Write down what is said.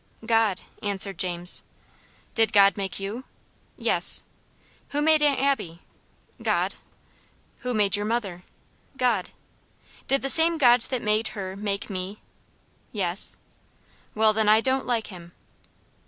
"God," answered James. "Did God make you?" "Yes." "Who made Aunt Abby?" "God." "Who made your mother?" "God." "Did the same God that made her make me?" "Yes." "Well, then, I don't like him."